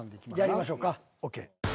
やりましょかＯＫ。